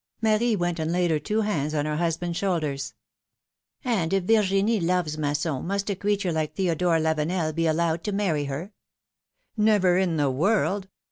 ^^ Marie went and laid her two hands on her husband's shoulders. '^And if Virginie loves Masson, must a creature like Theodore Lavenel be allowed to marry her?" Never in the world